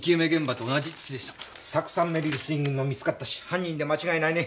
酢酸メリル水銀も見つかったし犯人で間違いないね。